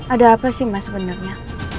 ada apa sih mas sebenarnya